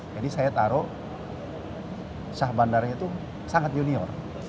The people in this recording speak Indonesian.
jadi saya taruh sah bandar itu sangat junior